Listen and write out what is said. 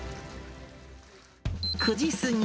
９時過ぎ。